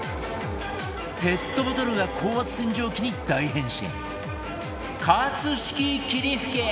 ペットボトルが高圧洗浄機に大変身